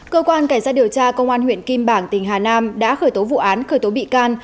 cơ quan cảnh sát điều tra công an huyện kim bảng tỉnh hà nam đã khởi tố vụ án khởi tố bị can